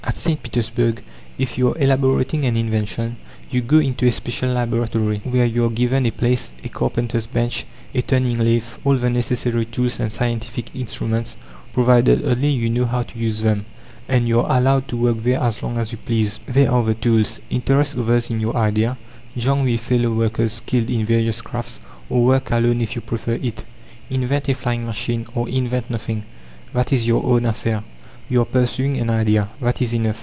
At St. Petersburg, if you are elaborating an invention, you go into a special laboratory, where you are given a place, a carpenter's bench, a turning lathe, all the necessary tools and scientific instruments, provided only you know how to use them; and you are allowed to work there as long as you please. There are the tools; interest others in your idea; join with fellow workers skilled in various crafts, or work alone if you prefer it. Invent a flying machine, or invent nothing that is your own affair. You are pursuing an idea that is enough.